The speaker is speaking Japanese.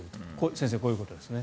先生、こういうことですね。